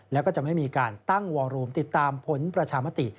แล้วก็จะไม่มีการตั้งวอรูมติดตามผลประชามติ